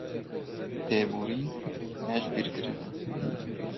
Têborîn, ne jibîrkirin e.